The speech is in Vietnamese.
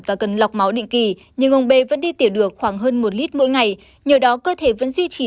và cần lọc máu định kỳ nhưng ông b vẫn đi tiểu được khoảng hơn một lít mỗi ngày nhờ đó cơ thể vẫn duy trì